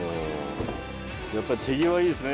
やっぱり手際いいですね。